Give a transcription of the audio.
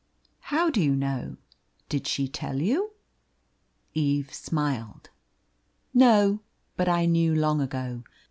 "How do you know? Did she tell you?" Eve smiled. "No; but I knew long ago.